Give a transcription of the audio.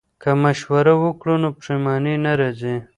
که مشوره وکړو نو پښیماني نه راځي.